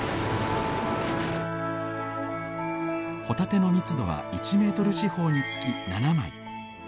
ホタテの密度は１ｍ四方につき７枚。